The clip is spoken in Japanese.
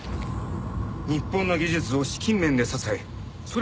日本の技術を資金面で支える。